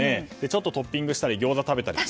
ちょっとトッピングしたりギョーザ食べたり。